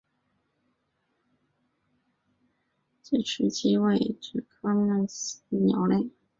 距翅麦鸡为鸻科麦鸡属的鸟类。